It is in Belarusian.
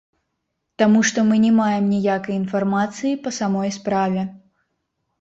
Таму што мы не маем ніякай інфармацыі па самой справе.